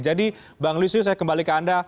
jadi bang luiz yusuf saya kembali ke anda